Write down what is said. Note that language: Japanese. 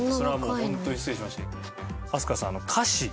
ホントに失礼しました。